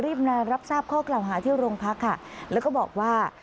มารับทราบข้อกล่าวหาที่โรงพักค่ะแล้วก็บอกว่า